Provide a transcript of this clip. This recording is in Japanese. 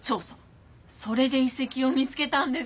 それで遺跡を見つけたんです。